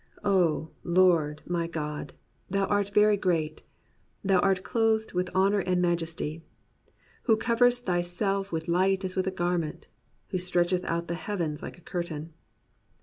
O, Lord, my God, thou art very great: Thou art clothed with honour and majesty: Who coverest thyself with light as with a garment; Who stretchest out the heavens like a curtain.